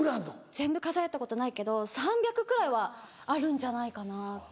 全部数えたことないけど３００くらいはあるんじゃないかなって。